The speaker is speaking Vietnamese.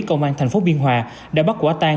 công an thành phố biên hòa đã bắt quả tan